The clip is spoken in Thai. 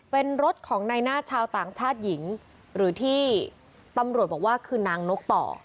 เป็นรถของในหน้าชาวต่างชาติหญิงหรือที่ตำรวจบอกว่าคือนางนกต่อ